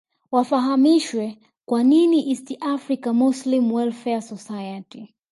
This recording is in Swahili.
wafahamishwe kwa nini East African Muslim Welfare Society